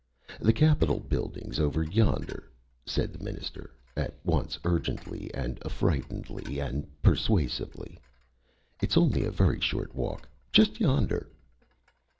"The capital building's over yonder," said the Minister, at once urgently and affrightedly and persuasively. "It's only a very short walk! Just yonder!"